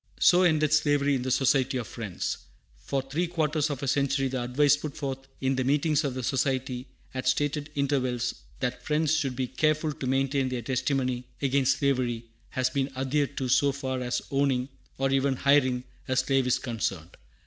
So ended slavery in the Society of Friends. For three quarters of a century the advice put forth in the meetings of the Society at stated intervals, that Friends should be "careful to maintain their testimony against slavery," has been adhered to so far as owning, or even hiring, a slave is concerned.